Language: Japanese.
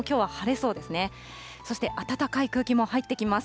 そして暖かい空気も入ってきます。